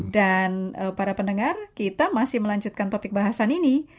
dan para pendengar kita masih melanjutkan topik bahasan ini